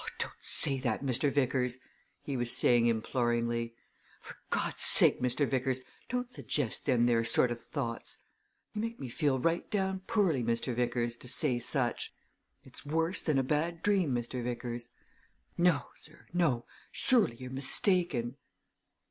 "Don't say that, Mr. Vickers!" he was saying imploringly. "For God's sake, Mr. Vickers, don't suggest them there sort of thoughts. You make me feel right down poorly, Mr. Vickers, to say such! It's worse than a bad dream, Mr. Vickers no, sir, no, surely you're mistaken!"